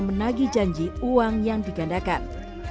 menagi janji uang yang digandakan